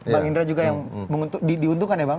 bang indra juga yang diuntungkan ya bang